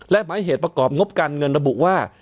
และหมายเหตุประกอบงบการเงินระบุว่า